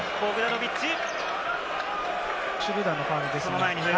シュルーダーのファウルですね。